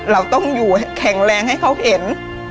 เราต้องอยู่แข็งแรงให้เขาเห็น